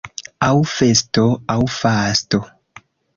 Aŭ festo, aŭ fasto.